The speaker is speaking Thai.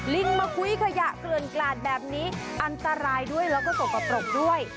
ลิงมาคุยขยะเกลือนกลาดแบบนี้อันตรายด้วยแล้วก็สกปรกด้วย